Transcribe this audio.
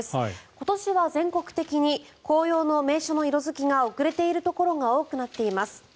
今年は全国的に紅葉の名所の色付きが遅れているところが多くあります。